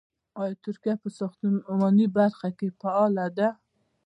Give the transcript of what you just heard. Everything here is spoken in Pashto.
آیا ترکیه په ساختماني برخه کې فعاله ده؟